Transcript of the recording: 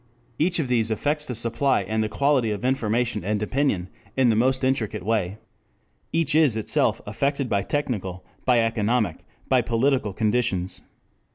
Each of these affects the supply and the quality of information and opinion in a most intricate way. Each is itself affected by technical, by economic, by political conditions.